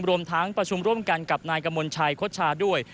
รวมทั้งประชุมร่วมกันกับนายกมลชัยโฆษชาด้วย